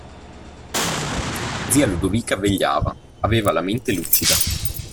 Zia Ludovica vegliava, aveva la mente lucida.